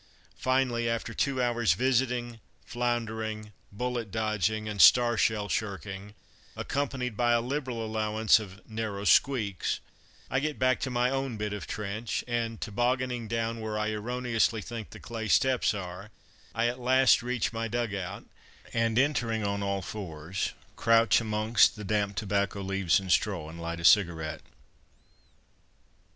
Finally, after two hours' visiting, floundering, bullet dodging, and star shell shirking, accompanied by a liberal allowance of "narrow squeaks," I get back to my own bit of trench; and tobogganing down where I erroneously think the clay steps are, I at last reach my dug out, and entering on all fours, crouch amongst the damp tobacco leaves and straw and light a cigarette.